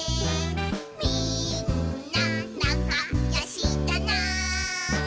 「みんななかよしだな」